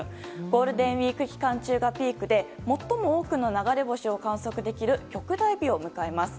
ゴールデンウィーク期間中がピークで最も多くの流れ星を観測できる極大日を迎えます。